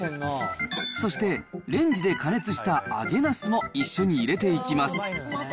そして、レンジで加熱した揚げなすも一緒に入れていきます。